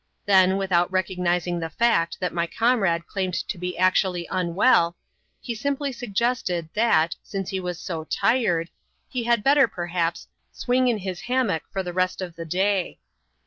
Then — without recognizing the fact, that my comrade claimed to be actually unwell — he simply suggested, that, since he was so tired, he had better, perhaps, swing in his hammock for the rest of the day.